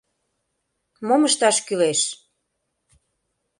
Мом ышташ кӱлеш?